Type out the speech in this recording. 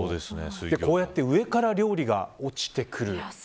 こうやって上から料理が落ちてくる。